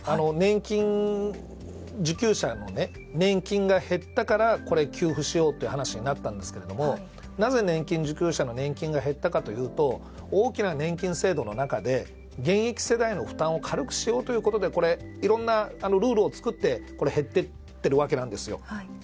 年金受給者の年金が減ったから給付しようという話になったんですけどもなぜ年金受給者の年金が減ったかというと大きな年金制度の中で現役世代の負担を軽くしようということでいろんなルールを作って減っていっているわけなんですよ。